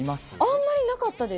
あんまりなかったです。